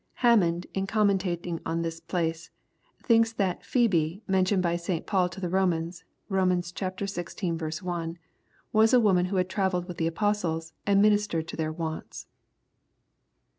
Hammond, in commenting on this place, thinks that PhcebOi mentioned by St. Paul to the Romans, (Rom. xvi 1.) was a woman who had travelled with the apostles, and ministered to their wants.